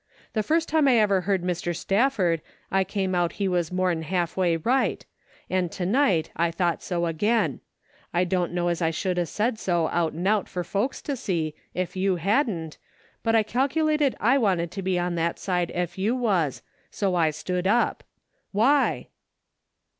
The first time I ever heard Mr. Stafford, I made out he was more'n half way right, an' to night I thought so again. I don't know as I should 'a' said so out'n out fer folks to see, ef you hadn't, but I calculated 1 wanted to be on that side ef you was, so I stood up. Why